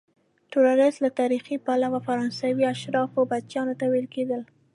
توریست له تاریخي پلوه فرانسوي اشرافو بچیانو ته ویل کیدل.